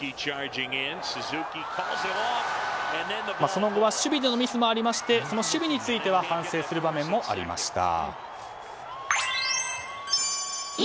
その後は守備でのミスもありましてその守備については反省する場面もありました。